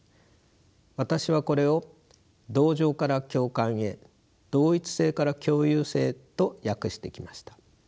私はこれを同情から共感へ同一性から共有性へと訳してきました。